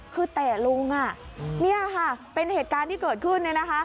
คือแต่ลุงเป็นเหตุการณ์ที่เกิดขึ้น